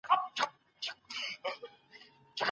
که دروازه وي نو شور نه راځي.